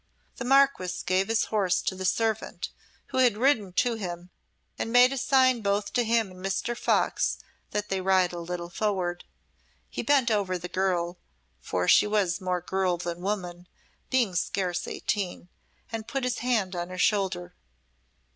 The Marquess gave his horse to the servant, who had ridden to him, and made a sign both to him and Mr. Fox that they ride a little forward. He bent over the girl (for she was more girl than woman, being scarce eighteen) and put his hand on her shoulder.